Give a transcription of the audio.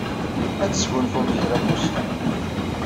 Ad tesgunfumt kra n wussan.